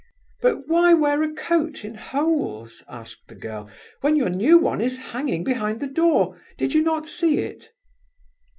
"But why wear a coat in holes," asked the girl, "when your new one is hanging behind the door? Did you not see it?"